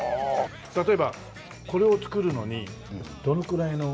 例えばこれを作るのにどのぐらいの１カ月？